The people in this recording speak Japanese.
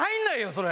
それ。